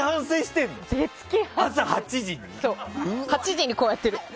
８時にこうやってる。